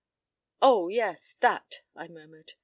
p> "Oh, yes. That!" I murmured.